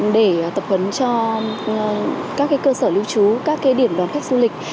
để tập huấn cho các cái cơ sở lưu trú các cái điểm đoàn khách du lịch